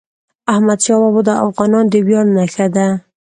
احمدشاه بابا د افغانانو د ویاړ نښه ده.